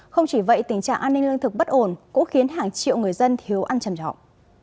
không chỉ vậy tình trạng an ninh lương thực bất ổn cũng khiến hàng triệu người dân thiếu ăn chầm trọng